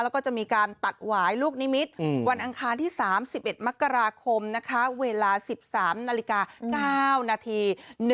แล้วก็จะมีการตัดหวายลูกนิมิตรวันอังคารที่๓๑มกราคมนะคะเวลา๑๓นาฬิกา๙นาที